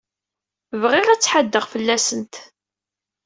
Bɣiɣ ad tḥaddeɣ fell-asent.